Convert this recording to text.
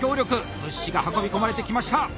物資が運び込まれてきました。